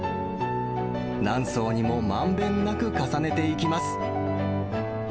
何層にもまんべんなく重ねていきます。